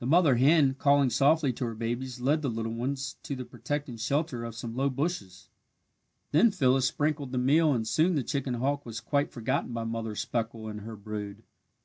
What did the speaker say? The mother hen, calling softly to her babies, led the little ones to the protecting shelter of some low bushes. Then Phyllis sprinkled the meal and soon the chicken hawk was quite forgotten by Mother Speckle and her brood.